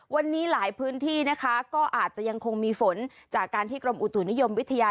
วันนี้หลายพื้นที่นะคะก็อาจจะยังคงมีฝนจากการที่กรมอุตุนิยมวิทยา